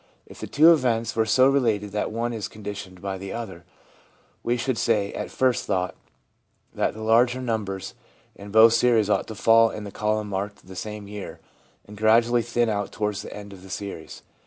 If the two events were so related that one is conditioned by the other, we should say, at first thought, that the larger numbers in both series ought to fall in the column marked the ' same year/ and gradually thin out towards the ends of the series.